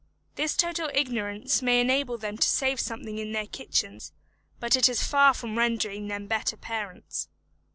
This total ignorance may enable them to save something in their kitchens, but it is far from rendering them better parents.